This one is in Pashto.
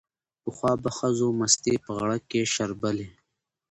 پخوا به ښځو مستې په غړګ کې شربلې